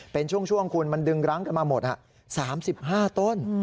เป็นช่วงคุณมันดึงรั้งกันมาหมด๓๕ต้น